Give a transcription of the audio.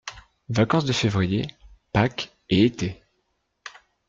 Vacances de février, Pâques et été.